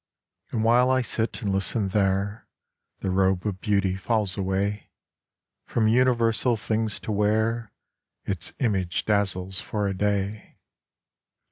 And while I sit and listen there, The robe of Beauty falls away From universal things to where Its image dazzles for a day.